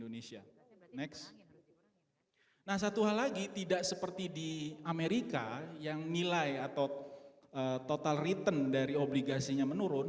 nah satu hal lagi tidak seperti di amerika yang nilai atau total return dari obligasinya menurun